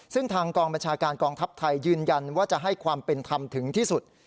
ซึ่งทางกองบัญชาการกองทัพไทยยืนยันว่าจะให้ความเป็นธรรมถึงที่สุด